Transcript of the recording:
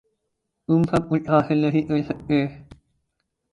تم سب کچھ حاصل نہیں کر سکتے۔